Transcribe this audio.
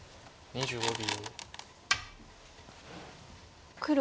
２５秒。